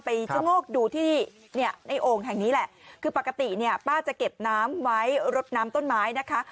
ชะโงกดูที่เนี่ยในโอ่งแห่งนี้แหละคือปกติเนี่ยป้าจะเก็บน้ำไว้รดน้ำต้นไม้นะคะ